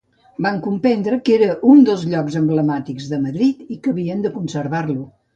Van comprendre que era un dels llocs emblemàtics de Madrid i que havien de conservar-lo.